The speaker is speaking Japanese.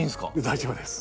大丈夫です。